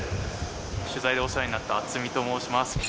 取材でお世話になった渥美と申します。